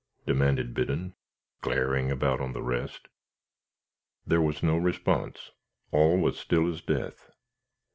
demanded Biddon, glaring about on the rest. There was no response. All was still as death.